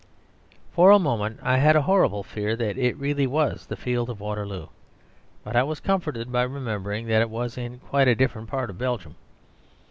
For a moment I had a horrible fear that it really was the field of Waterloo; but I was comforted by remembering that it was in quite a different part of Belgium.